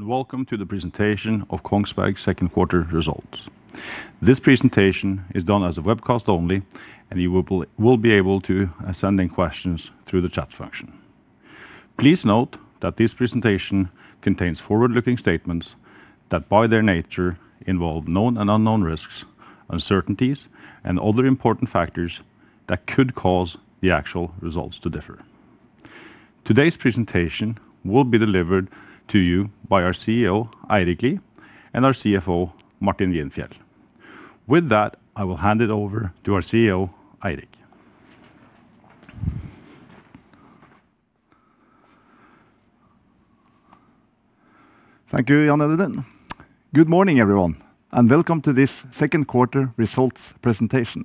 Welcome to the presentation of Kongsberg's second quarter results. This presentation is done as a webcast only, and you will be able to send in questions through the chat function. Please note that this presentation contains forward-looking statements that, by their nature, involve known and unknown risks, uncertainties, and other important factors that could cause the actual results to differ. Today's presentation will be delivered to you by our CEO, Eirik Lie, and our CFO, Martin Wien Fjell. With that, I will hand it over to our CEO, Eirik. Thank you, Jan Edvin. Good morning, everyone, and welcome to this second quarter results presentation.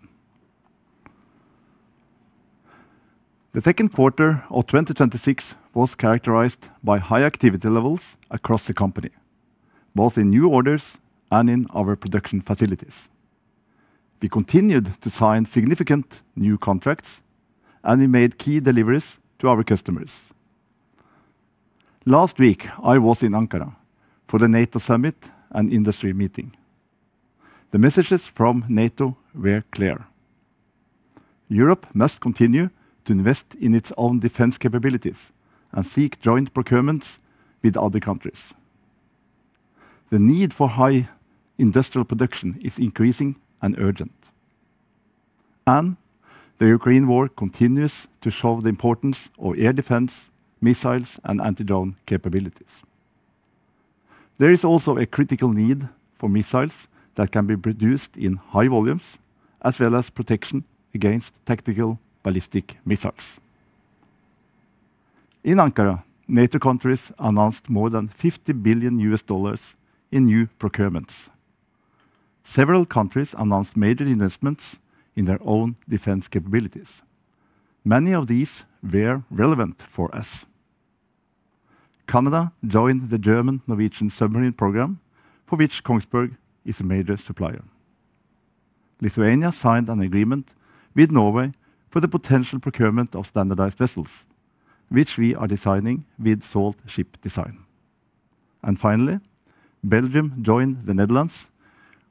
The second quarter of 2026 was characterized by high activity levels across the company, both in new orders and in our production facilities. We continued to sign significant new contracts, and we made key deliveries to our customers. Last week, I was in Ankara for the NATO summit and industry meeting. The messages from NATO were clear. Europe must continue to invest in its own defense capabilities and seek joint procurements with other countries. The need for high industrial production is increasing and urgent, and the Ukraine war continues to show the importance of air defense, missiles, and anti-drone capabilities. There is also a critical need for missiles that can be produced in high volumes, as well as protection against tactical ballistic missiles. In Ankara, NATO countries announced more than $50 billion in new procurements. Several countries announced major investments in their own defense capabilities. Many of these were relevant for us. Canada joined the German-Norwegian submarine program for which Kongsberg is a major supplier. Lithuania signed an agreement with Norway for the potential procurement of standardized vessels, which we are designing with SALT Ship Design. Belgium joined the Netherlands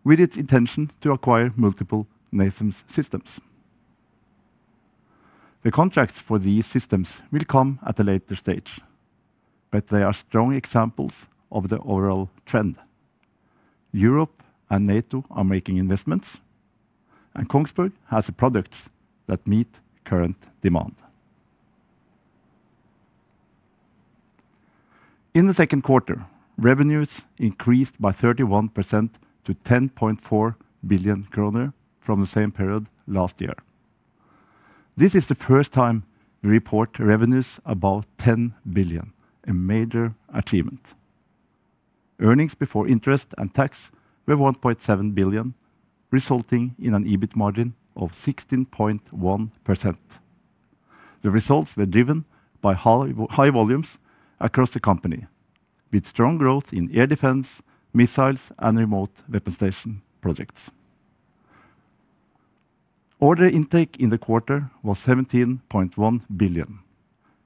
with its intention to acquire multiple NASAMS systems. The contracts for these systems will come at a later stage, but they are strong examples of the overall trend. Europe and NATO are making investments, and Kongsberg has the products that meet current demand. In the second quarter, revenues increased by 31% to 10.4 billion kroner from the same period last year. This is the first time we report revenues above 10 billion, a major achievement. Earnings before interest and tax were 1.7 billion, resulting in an EBIT margin of 16.1%. The results were driven by high volumes across the company with strong growth in air defence, missiles, and Remote Weapon Station projects. Order intake in the quarter was 17.1 billion,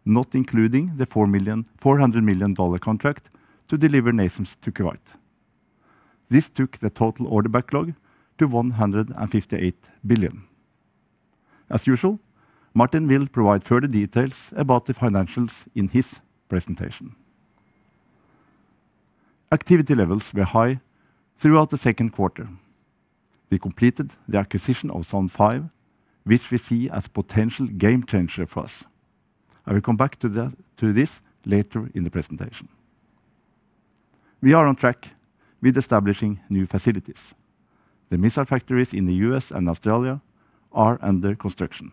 not including the $400 million contract to deliver NASAMS to Kuwait. This took the total order backlog to 158 billion. As usual, Martin will provide further details about the financials in his presentation. Activity levels were high throughout the second quarter. We completed the acquisition of Zone 5, which we see as potential game changer for us. I will come back to this later in the presentation. We are on track with establishing new facilities. The missile factories in the U.S. and Australia are under construction.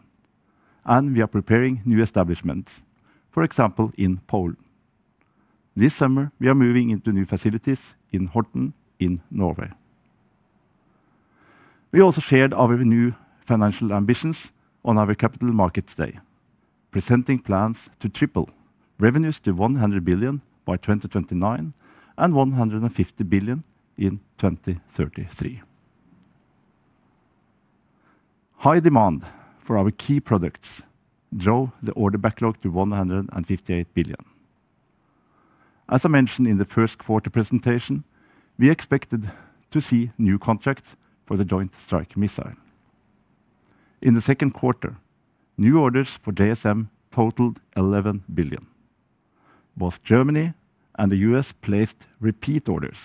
We are preparing new establishments, for example, in Poland. This summer, we are moving into new facilities in Horten in Norway. We also shared our new financial ambitions on our Capital Markets Day, presenting plans to triple revenues to 100 billion by 2029 and 150 billion in 2033. High demand for our key products drove the order backlog to 158 billion. As I mentioned in the first quarter presentation, we expected to see new contracts for the Joint Strike Missile. In the second quarter, new orders for JSM totaled 11 billion. Both Germany and the U.S. placed repeat orders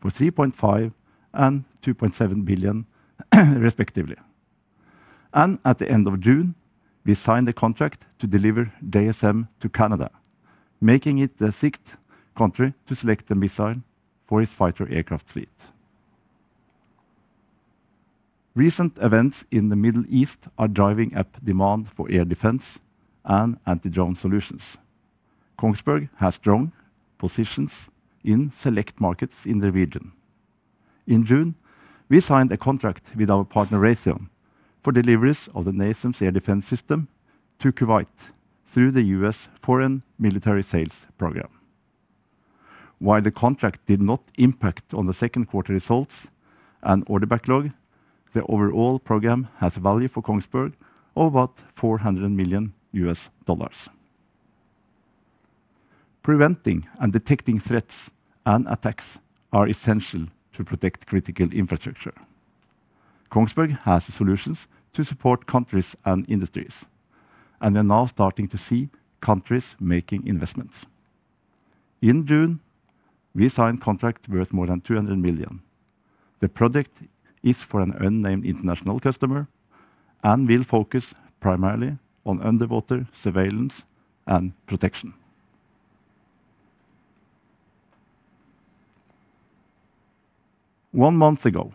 for 3.5 billion and 2.7 billion respectively. At the end of June, we signed a contract to deliver JSM to Canada, making it the sixth country to select the missile for its fighter aircraft fleet. Recent events in the Middle East are driving up demand for air defense and anti-drone solutions. Kongsberg has strong positions in select markets in the region. In June, we signed a contract with our partner, Raytheon, for deliveries of the NASAMS air defense system to Kuwait through the U.S. Foreign Military Sales program. While the contract did not impact on the second quarter results and order backlog, the overall program has value for Kongsberg of about $400 million. Preventing and detecting threats and attacks are essential to protect critical infrastructure. Kongsberg has solutions to support countries and industries, and we're now starting to see countries making investments. In June, we signed contract worth more than 200 million. The project is for an unnamed international customer and will focus primarily on underwater surveillance and protection. One month ago,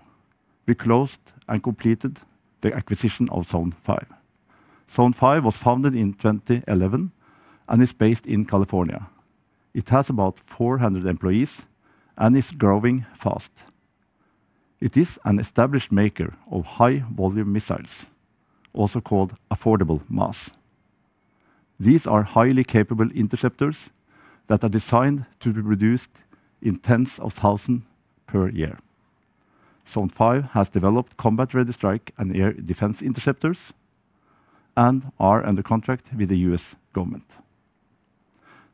we closed and completed the acquisition of Zone 5. Zone 5 was founded in 2011 and is based in California. It has about 400 employees and is growing fast.sIt is an established maker of high-volume missiles, also called affordable mass. These are highly capable interceptors that are designed to be produced in tens of thousands per year. Zone 5 has developed combat-ready strike and air defense interceptors and are under contract with the U.S. government.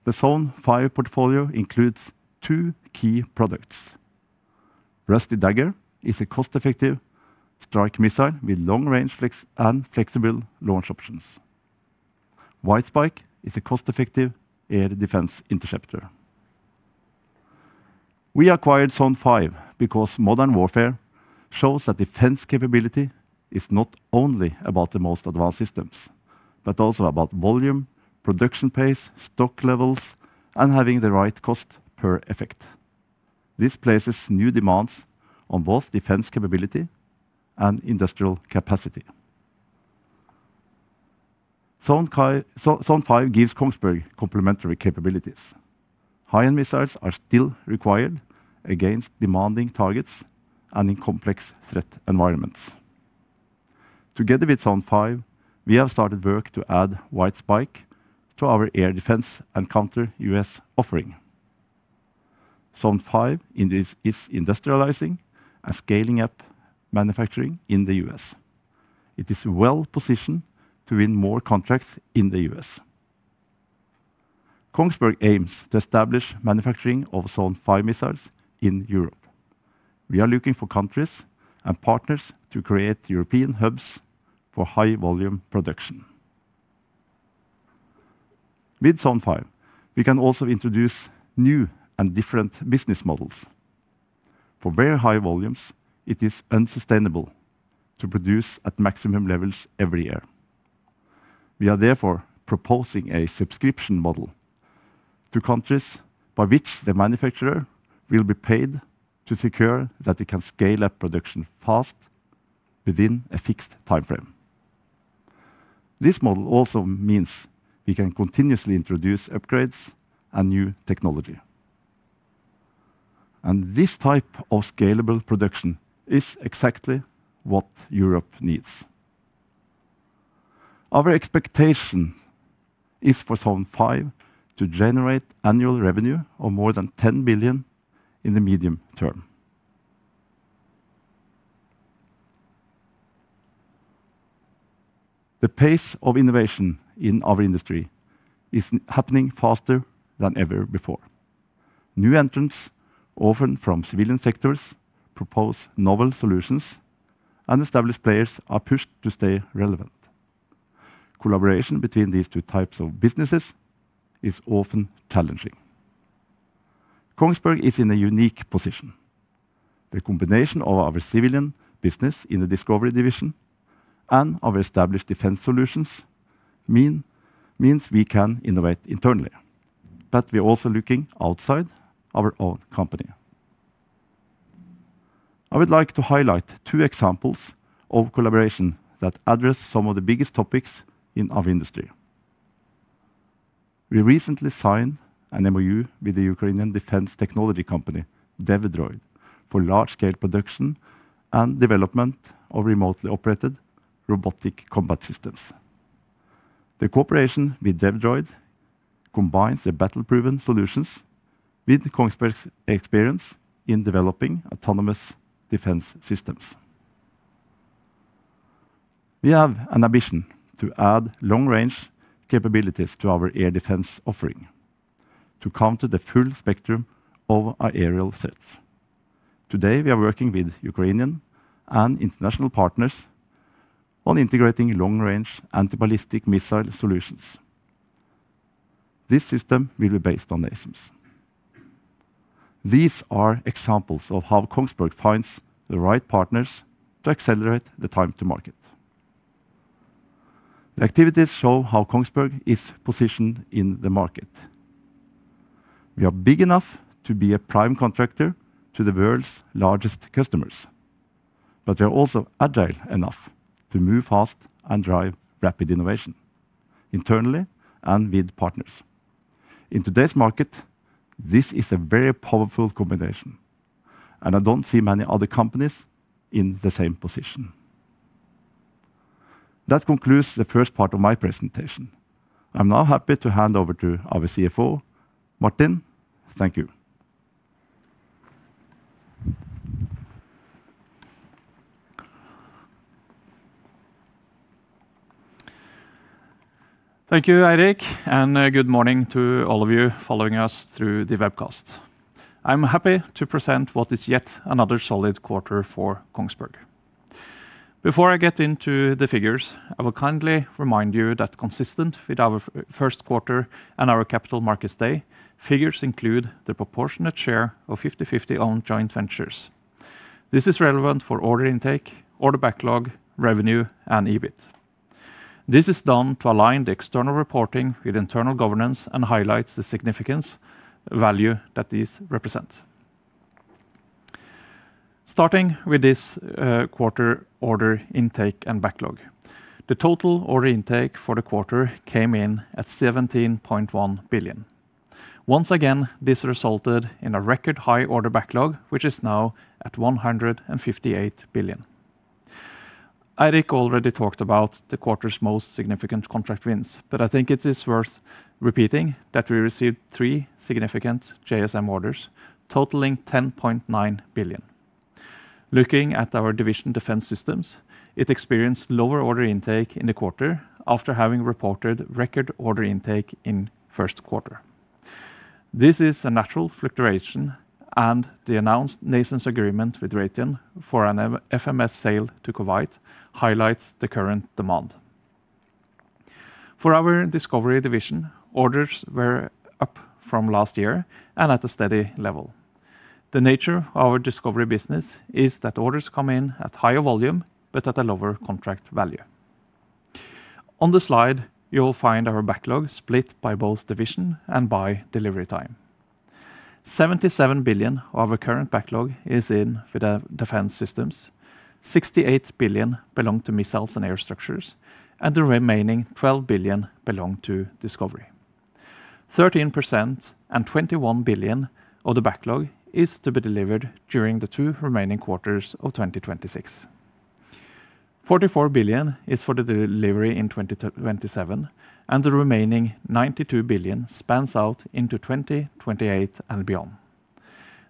The Zone 5 portfolio includes two key products. Rusty Dagger is a cost-effective strike missile with long-range and flexible launch options. White Spike is a cost-effective air defense interceptor. We acquired Zone 5 because modern warfare shows that defense capability is not only about the most advanced systems but also about volume, production pace, stock levels, and having the right cost per effect. This places new demands on both defense capability and industrial capacity. Zone 5 gives Kongsberg complementary capabilities. High-end missiles are still required against demanding targets and in complex threat environments. Together with Zone 5, we have started work to add White Spike to our air defense and Counter-UAS offering. Zone 5 is industrializing and scaling up manufacturing in the U.S. It is well-positioned to win more contracts in the U.S. Kongsberg aims to establish manufacturing of Zone 5 missiles in Europe. We are looking for countries and partners to create European hubs for high-volume production. With Zone 5, we can also introduce new and different business models. For very high volumes, it is unsustainable to produce at maximum levels every year. We are therefore proposing a subscription model to countries by which the manufacturer will be paid to secure that they can scale up production fast within a fixed time frame. This model also means we can continuously introduce upgrades and new technology. This type of scalable production is exactly what Europe needs. Our expectation is for Zone 5 to generate annual revenue of more than 10 billion in the medium term. The pace of innovation in our industry is happening faster than ever before. New entrants, often from civilian sectors, propose novel solutions and established players are pushed to stay relevant. Collaboration between these two types of businesses is often challenging. Kongsberg is in a unique position. The combination of our civilian business in the Discovery division and our established defense solutions means we can innovate internally. We are also looking outside our own company. I would like to highlight two examples of collaboration that address some of the biggest topics in our industry. We recently signed an MoU with the Ukrainian defense technology company, DevDroid, for large-scale production and development of remotely operated robotic combat systems. The cooperation with DevDroid combines their battle-proven solutions with Kongsberg's experience in developing autonomous defense systems. We have an ambition to add long-range capabilities to our air defense offering to counter the full spectrum of aerial threats. Today, we are working with Ukrainian and international partners on integrating long-range anti-ballistic missile solutions. This system will be based on ESMA. These are examples of how Kongsberg finds the right partners to accelerate the time to market. The activities show how Kongsberg is positioned in the market. We are big enough to be a prime contractor to the world's largest customers. We are also agile enough to move fast and drive rapid innovation, internally and with partners. In today's market, this is a very powerful combination, I don't see many other companies in the same position. That concludes the first part of my presentation. I'm now happy to hand over to our CFO, Martin. Thank you. Thank you, Eirik. Good morning to all of you following us through the webcast. I'm happy to present what is yet another solid quarter for Kongsberg. Before I get into the figures, I will kindly remind you that consistent with our first quarter and our Capital Markets Day, figures include the proportionate share of 50/50 owned joint ventures. This is relevant for order intake, order backlog, revenue and EBIT. This is done to align the external reporting with internal governance and highlights the significance value that these represent. Starting with this quarter order intake and backlog. The total order intake for the quarter came in at 17.1 billion. Once again, this resulted in a record high order backlog, which is now at 158 billion. Eirik already talked about the quarter's most significant contract wins, but I think it is worth repeating that we received three significant JSM orders totaling 10.9 billion. Looking at our Division Defense Systems, it experienced lower order intake in the quarter after having reported record order intake in first quarter. This is a natural fluctuation, and the announced NASAMS agreement with Raytheon for an FMS sale to Kuwait highlights the current demand. For our Discovery division, orders were up from last year and at a steady level. The nature of our Discovery business is that orders come in at higher volume, but at a lower contract value. On the slide, you will find our backlog split by both division and by delivery time. 77 billion of our current backlog is in with our Defense Systems. 68 billion belong to Missiles & Aerostructures. The remaining 12 billion belong to Discovery. 13% and 21 billion of the backlog is to be delivered during the two remaining quarters of 2026. 44 billion is for the delivery in 2027. The remaining 92 billion spans out into 2028 and beyond.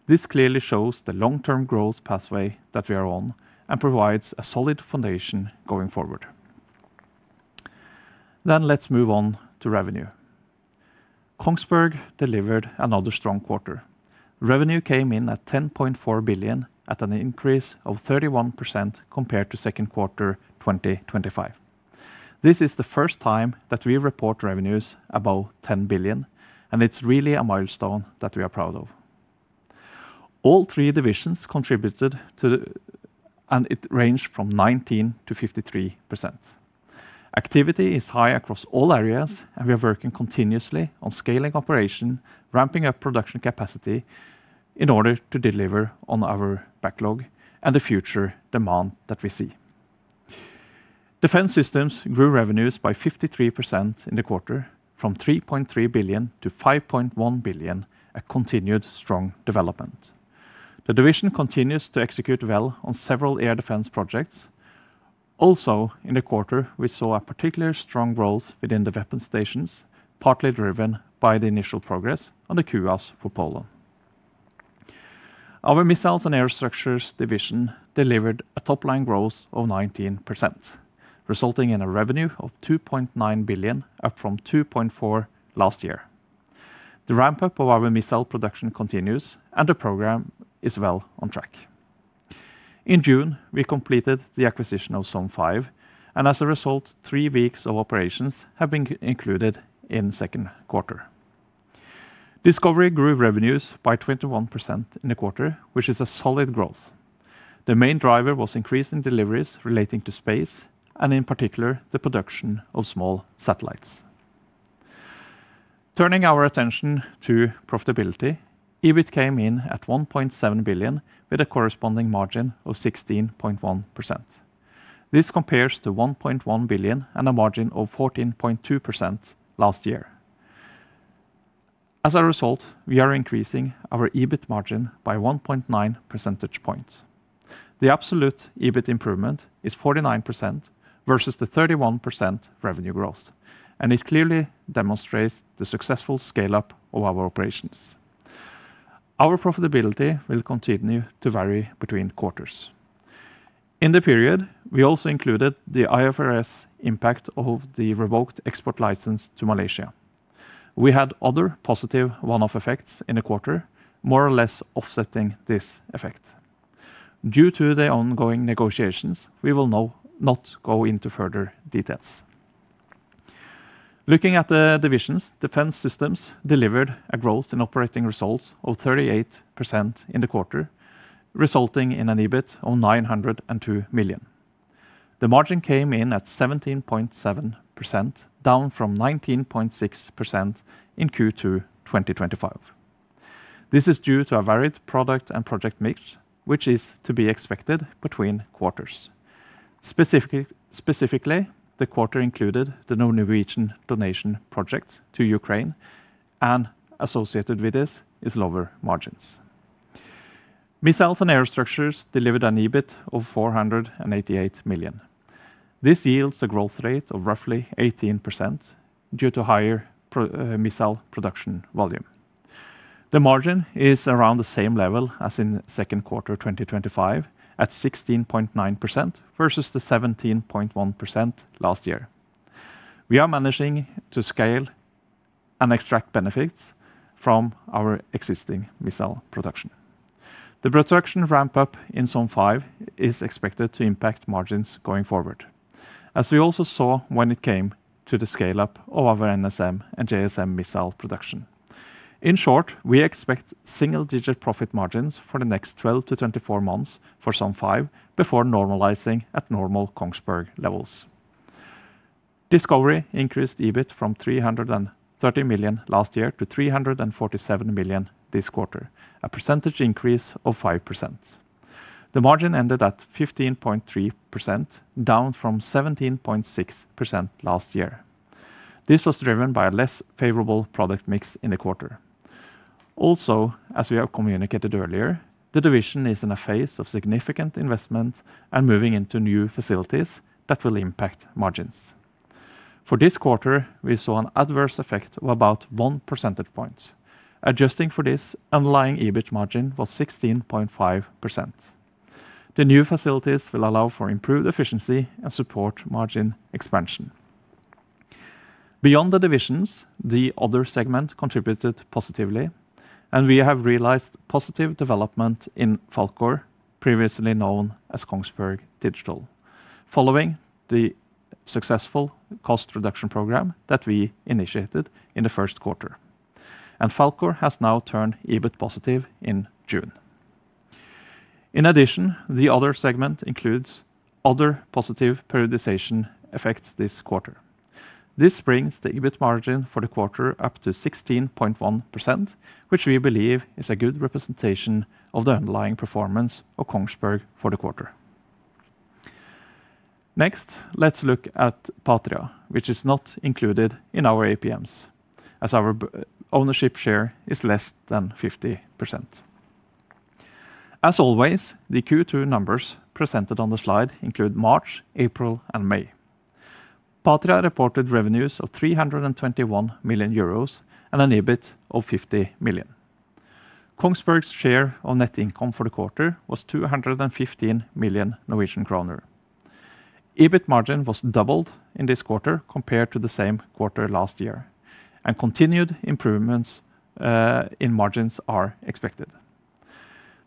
This clearly shows the long-term growth pathway that we are on and provides a solid foundation going forward. Let's move on to revenue. Kongsberg delivered another strong quarter. Revenue came in at 10.4 billion at an increase of 31% compared to second quarter 2025. This is the first time that we report revenues above 10 billion. It's really a milestone that we are proud of. All three divisions contributed. It ranged from 19%-53%. Activity is high across all areas. We are working continuously on scaling operation, ramping up production capacity in order to deliver on our backlog and the future demand that we see. Defense Systems grew revenues by 53% in the quarter, from 3.3 billion-5.1 billion, a continued strong development. The division continues to execute well on several air defense projects. Also, in the quarter, we saw a particular strong growth within the Weapon Stations, partly driven by the initial progress on the CUAS for Poland. Our Missiles & Aerostructures division delivered a top-line growth of 19%, resulting in a revenue of 2.9 billion, up from 2.4 billion last year. The ramp-up of our missile production continues. The program is well on track. In June, we completed the acquisition of Zone 5. As a result, three weeks of operations have been included in second quarter. Discovery grew revenues by 21% in the quarter, which is a solid growth. Turning our attention to profitability, EBIT came in at 1.7 billion with a corresponding margin of 16.1%. This compares to 1.1 billion and a margin of 14.2% last year. As a result, we are increasing our EBIT margin by 1.9 percentage points. The absolute EBIT improvement is 49% versus the 31% revenue growth. It clearly demonstrates the successful scale-up of our operations. In the period, we also included the IFRS impact of the revoked export license to Malaysia. We had other positive one-off effects in the quarter, more or less offsetting this effect. Due to the ongoing negotiations, we will not go into further details. Looking at the divisions, Defense Systems delivered a growth in operating results of 38% in the quarter, resulting in an EBIT of 902 million. The margin came in at 17.7%, down from 19.6% in Q2 2025. This is due to a varied product and project mix, which is to be expected between quarters. Specifically, the quarter included the new Norwegian donation projects to Ukraine, and associated with this is lower margins. Missiles & Aerostructures delivered an EBIT of 488 million. This yields a growth rate of roughly 18% due to higher missile production volume. The margin is around the same level as in second quarter 2025, at 16.9% versus the 17.1% last year. We are managing to scale and extract benefits from our existing missile production. The production ramp-up in Zone 5 is expected to impact margins going forward. As we also saw when it came to the scale-up of our NSM and JSM missile production. In short, we expect single-digit profit margins for the next 12 months-24 months for Zone 5 before normalizing at normal Kongsberg levels. Discovery increased EBIT from 330 million last year to 347 million this quarter, a percentage increase of 5%. The margin ended at 15.3%, down from 17.6% last year. This was driven by a less favorable product mix in the quarter. Also, as we have communicated earlier, the division is in a phase of significant investment and moving into new facilities that will impact margins. For this quarter, we saw an adverse effect of about one percentage point. Adjusting for this, underlying EBIT margin was 16.5%. The new facilities will allow for improved efficiency and support margin expansion. Beyond the divisions, the other segment contributed positively, and we have realized positive development in Falkor, previously known as Kongsberg Digital, following the successful cost reduction program that we initiated in the first quarter. Falkor has now turned EBIT positive in June. In addition, the other segment includes other positive periodization effects this quarter. This brings the EBIT margin for the quarter up to 16.1%, which we believe is a good representation of the underlying performance of Kongsberg for the quarter. Next, let's look at Patria, which is not included in our APMs, as our ownership share is less than 50%. As always, the Q2 numbers presented on the slide include March, April, and May. Patria reported revenues of 321 million euros and an EBIT of 50 million. Kongsberg's share of net income for the quarter was 215 million Norwegian kroner. EBIT margin was doubled in this quarter compared to the same quarter last year, and continued improvements in margins are expected.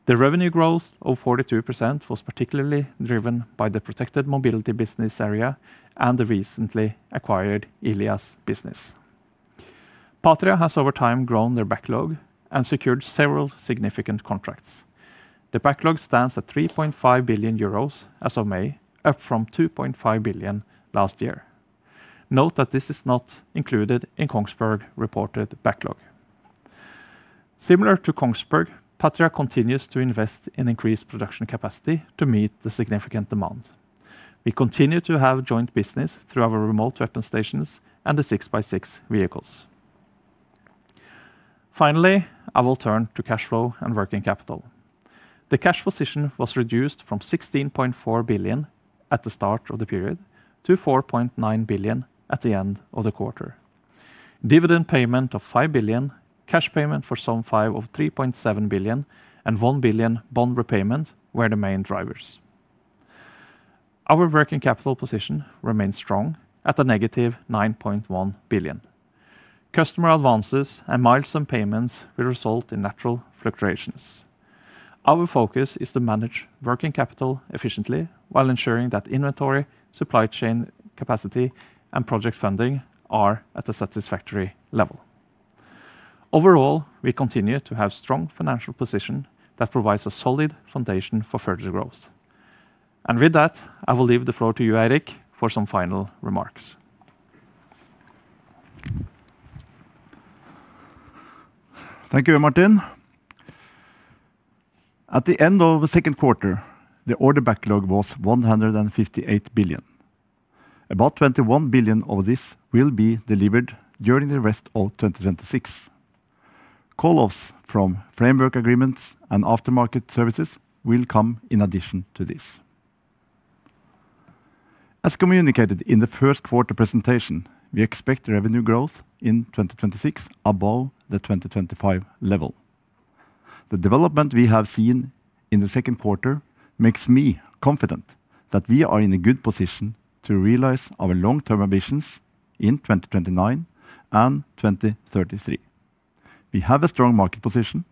The revenue growth of 42% was particularly driven by the protected mobility business area and the recently acquired ILIAS business. Patria has over time grown their backlog and secured several significant contracts. The backlog stands at 3.5 billion euros as of May, up from 2.5 billion last year. Note that this is not included in Kongsberg reported backlog. Similar to Kongsberg, Patria continues to invest in increased production capacity to meet the significant demand. We continue to have joint business through our Remote Weapon Stations and the 6x6 vehicles. Finally, I will turn to cash flow and working capital. The cash position was reduced from 16.4 billion at the start of the period to 4.9 billion at the end of the quarter. Dividend payment of 5 billion, cash payment for Zone 5 of 3.7 billion, and 1 billion bond repayment were the main drivers. Our working capital position remains strong at a -9.1 billion. Customer advances and milestone payments will result in natural fluctuations. Our focus is to manage working capital efficiently while ensuring that inventory, supply chain capacity, and project funding are at a satisfactory level. Overall, we continue to have strong financial position that provides a solid foundation for further growth. With that, I will leave the floor to you, Eirik, for some final remarks. Thank you, Martin. At the end of the second quarter, the order backlog was 158 billion. About 21 billion of this will be delivered during the rest of 2026. Call-offs from framework agreements and aftermarket services will come in addition to this. As communicated in the first quarter presentation, we expect revenue growth in 2026 above the 2025 level. The development we have seen in the second quarter makes me confident that we are in a good position to realize our long-term ambitions in 2029 and 2033. We have a strong market position.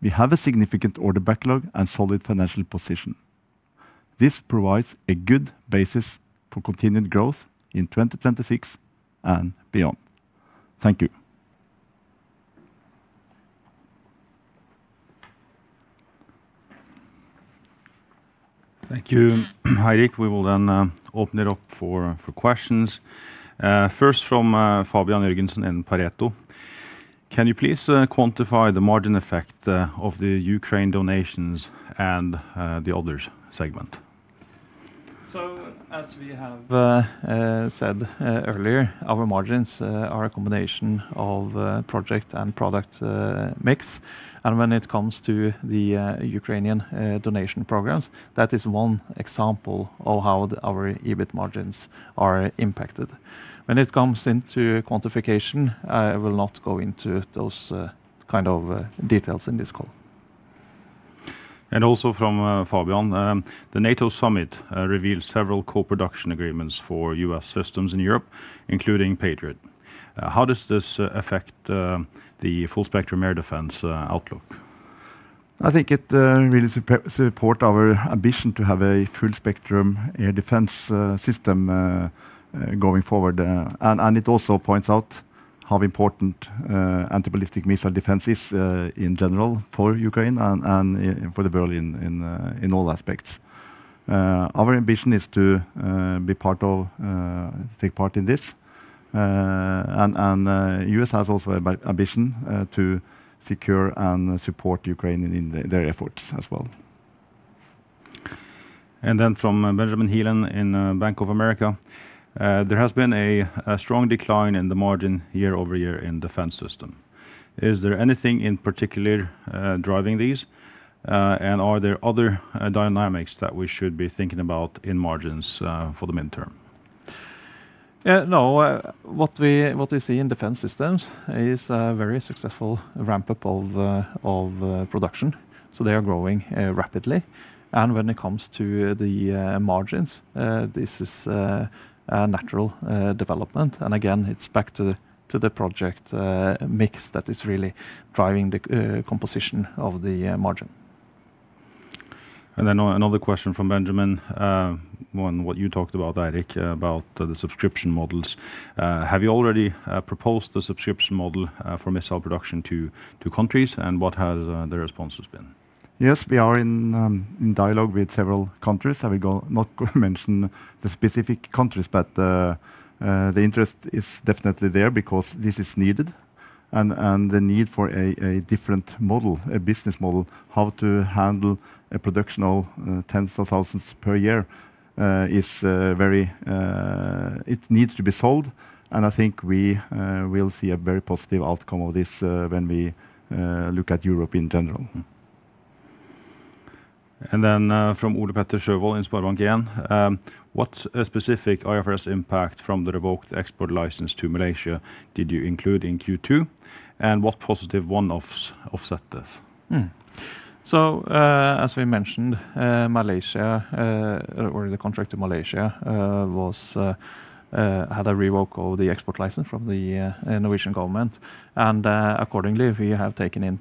We have a significant order backlog and solid financial position. This provides a good basis for continued growth in 2026 and beyond. Thank you. Thank you, Eirik. We will open it up for questions. First from Fabian Jørgensen in Pareto. Can you please quantify the margin effect of the Ukraine donations and the others segment? As we have said earlier, our margins are a combination of project and product mix. When it comes to the Ukrainian donation programs, that is one example of how our EBIT margins are impacted. When it comes into quantification, I will not go into those kind of details in this call. From Fabian, "The NATO summit revealed several co-production agreements for U.S. systems in Europe, including Patriot. How does this affect the full-spectrum air defense outlook? I think it really support our ambition to have a full-spectrum air defense system going forward. It also points out how important anti-ballistic missile defense is in general for Ukraine and for the world in all aspects. Our ambition is to take part in this, U.S. has also ambition to secure and support Ukraine in their efforts as well. From Benjamin Heelan in Bank of America, "There has been a strong decline in the margin year-over-year in Defense Systems. Is there anything in particular driving these? Are there other dynamics that we should be thinking about in margins for the midterm? No. What we see in Defense Systems is a very successful ramp-up of production, so they are growing rapidly. When it comes to the margins, this is a natural development. Again, it's back to the project mix that is really driving the composition of the margin. Another question from Benjamin on what you talked about, Eirik, about the subscription models. "Have you already proposed the subscription model for missile production to countries, and what has the responses been? We are in dialogue with several countries. I will not go mention the specific countries, but the interest is definitely there because this is needed, and the need for a different model, a business model, how to handle a production of tens of thousands per year. It needs to be sold, I think we will see a very positive outcome of this when we look at Europe in general. From Ole-Petter Sjøvold in SpareBank, "What specific IFRS impact from the revoked export license to Malaysia did you include in Q2? What positive one-offs offset this? As we mentioned, Malaysia or the contract to Malaysia had a revoke of the export license from the Norwegian government. Accordingly, we have taken in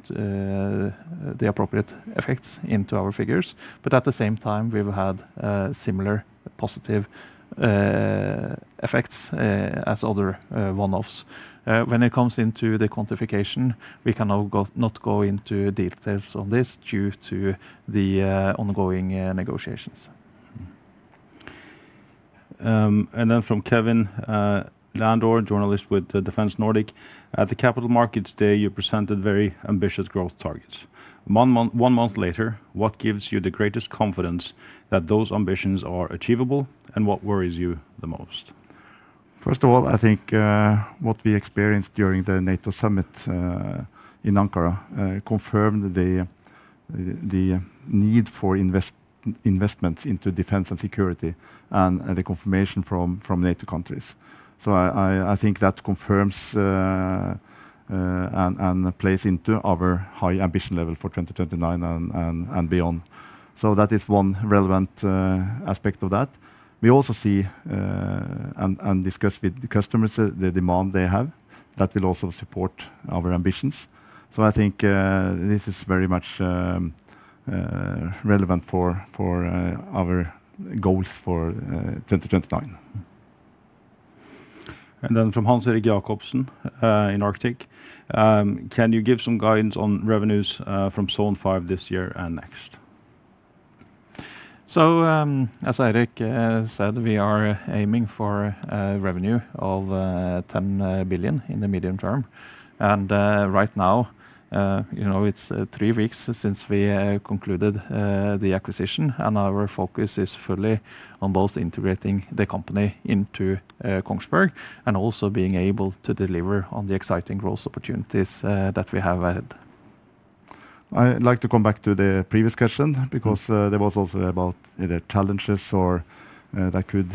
the appropriate effects into our figures. At the same time, we've had similar positive effects as other one-offs. When it comes into the quantification, we cannot go into details on this due to the ongoing negotiations. From Kevin Landor, journalist with the Defence Nordic, "At the Capital Markets Day, you presented very ambitious growth targets. One month later, what gives you the greatest confidence that those ambitions are achievable, and what worries you the most? First of all, I think what we experienced during the NATO summit in Ankara confirmed the need for investments into defense and security and the confirmation from NATO countries. I think that confirms and plays into our high ambition level for 2029 and beyond. That is one relevant aspect of that. We also see and discuss with the customers the demand they have that will also support our ambitions. I think this is very much relevant for our goals for 2029. From Hans Erik Jacobsen in Arctic, "Can you give some guidance on revenues from Zone 5 this year and next? As Eirik said, we are aiming for revenue of 10 billion in the medium term. Right now, it's three weeks since we concluded the acquisition, and our focus is fully on both integrating the company into Kongsberg and also being able to deliver on the exciting growth opportunities that we have ahead. I'd like to come back to the previous question because there was also about either challenges that could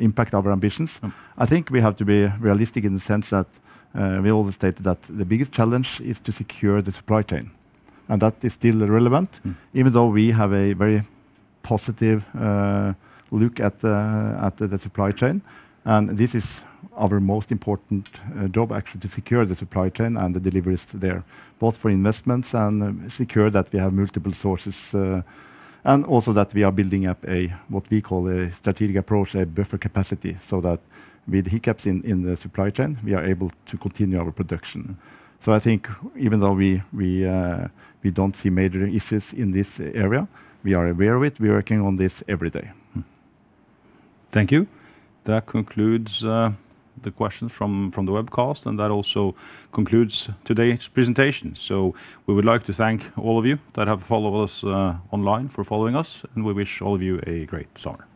impact our ambitions. I think we have to be realistic in the sense that we all stated that the biggest challenge is to secure the supply chain. That is still relevant even though we have a very positive look at the supply chain. This is our most important job, actually, to secure the supply chain and the deliveries there, both for investments and secure that we have multiple sources. Also that we are building up a what we call a strategic approach, a buffer capacity, so that with hiccups in the supply chain, we are able to continue our production. I think even though we don't see major issues in this area, we are aware of it. We are working on this every day. Thank you. That concludes the questions from the webcast, and that also concludes today's presentation. We would like to thank all of you that have followed us online for following us, and we wish all of you a great summer.